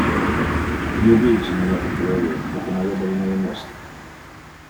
Не бейте меня по голове, это мое больное место.